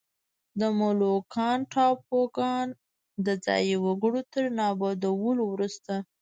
د مولوکان ټاپوګان د ځايي وګړو تر نابودولو وروسته.